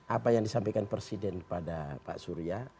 apa yang disampaikan presiden kepada pak surya